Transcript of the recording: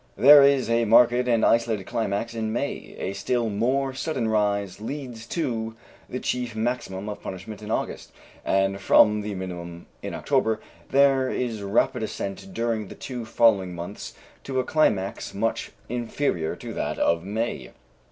There is a marked and isolated climax in May; a still more sudden rise leads to the chief maximum of punishment in August; and from the minimum in October there is rapid ascent during the two following months to a climax much inferior to that of May.